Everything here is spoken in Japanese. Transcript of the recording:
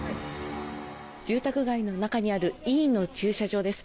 住宅街の中にある医院の駐車場です。